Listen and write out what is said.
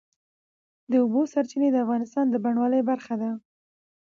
د اوبو سرچینې د افغانستان د بڼوالۍ برخه ده.